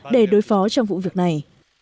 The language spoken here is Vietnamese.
để đối phó trong vụ việc này